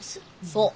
そう。